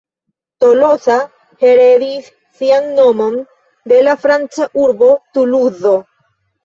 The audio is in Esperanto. Tolosa heredis sian nomon de la franca urbo Tuluzo.